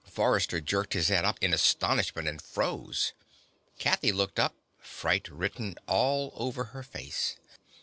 Forrester jerked his head up in astonishment and froze. Kathy looked up, fright written all over her face.